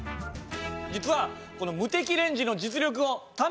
実はこの。